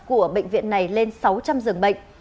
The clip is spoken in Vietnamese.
của bệnh viện này lên sáu trăm linh dường bệnh